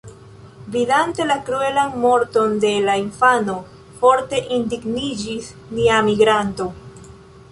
Vidante la kruelan morton de la infano forte indigniĝis nia migranto.